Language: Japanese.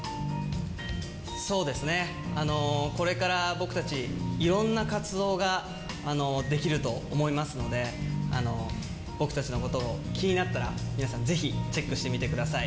そうですね、これから僕たち、いろんな活動ができると思いますので、僕たちのことを気になったら、皆さん、ぜひチェックしてみてください。